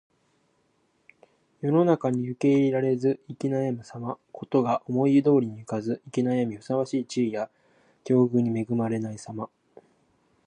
世に受け入れられず行き悩むさま。事が思い通りにいかず行き悩み、ふさわしい地位や境遇に恵まれないさま。